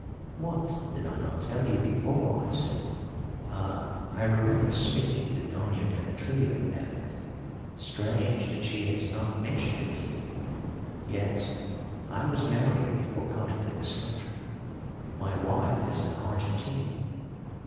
"What, did I not tell you before!" I said. "Ah, I remember speaking to Doña Demetria about it. Strange that she has not mentioned it to you. Yes, I was married before coming to this country my wife is an Argentine.